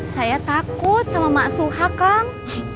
saya takut sama mak suha kak